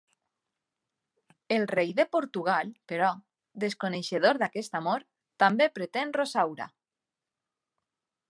El rei de Portugal, però, desconeixedor d'aquest amor, també pretén Rosaura.